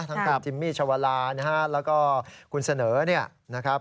ทั้งคุณจิมมี่ชาวลานะฮะแล้วก็คุณเสนอเนี่ยนะครับ